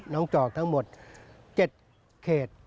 จอกทั้งหมด๗เขต